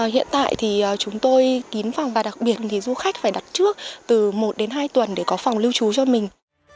hiện tại thì chúng tôi kín phòng và đặc biệt thì du khách phải đặt trước từ một đến hai tuần để có phòng lưu trú cho mình